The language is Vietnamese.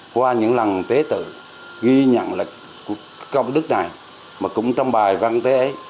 qua những lần tế tự ghi nhận lịch của công đức này mà cũng trong bài văn tế ấy